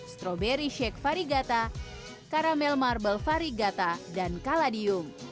strawberry shake farigata caramel marble farigata dan caladium